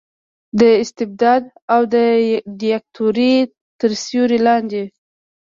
د استبداد او دیکتاتورۍ تر سیورې لاندې